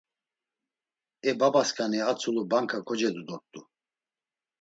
E babasǩani a tzulu banka kocedu dort̆u.